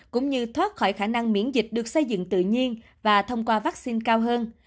cũng như thoát khỏi khả năng miễn dịch được xây dựng tự nhiên và thông qua vaccine cao hơn